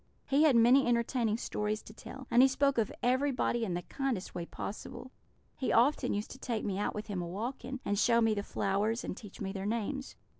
He had many entertaining stories to tell; and he spoke of everybody in the kindest way possible. He often used to take me out with him a walking, and show me the flowers, and teach me their names.